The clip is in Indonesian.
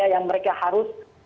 yang mereka harus